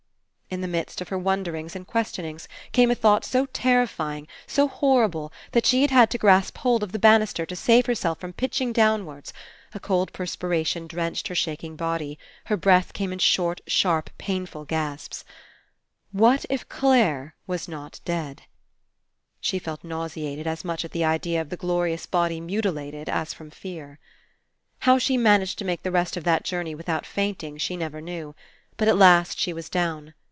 In the midst of her wonderings and questionings came a thought so terrifying, so horrible, that she had had to grasp hold of the banister to save herself from pitching down 212 FINALE wards. A cold perspiration drenched her shak ing body. Her breath caipe short in sharp and painful gasps. What if Clare was not dead? She felt nauseated, as much at the idea of the glorious body mutilated as from fear. How she managed to make the rest of the journey without fainting she never knew. But at last she was down.